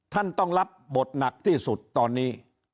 ท่านต้องรับบทหนักที่สุดตอนนี้